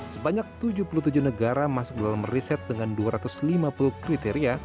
sebanyak tujuh puluh tujuh negara masuk dalam riset dengan dua ratus lima puluh kriteria